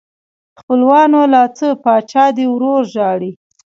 خپلوانو لا څه پاچا دې ورور ژاړي.